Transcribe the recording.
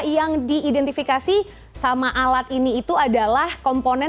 yang diidentifikasi sama alat ini itu adalah komponen